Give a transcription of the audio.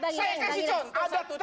saya kasih contoh